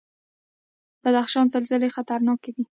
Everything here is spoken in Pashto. د بدخشان زلزلې خطرناکې دي